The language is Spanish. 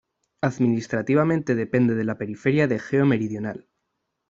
Administrativamente depende de la Periferia de Egeo Meridional.